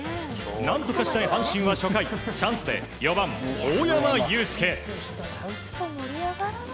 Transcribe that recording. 何とかしたい阪神は初回、チャンスで４番、大山悠輔。